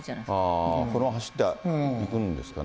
このまま走っていくんですかね。